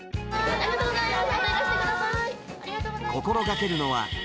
ありがとうございます。